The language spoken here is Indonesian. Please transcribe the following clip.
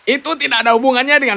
itu tidak ada hubungannya dengan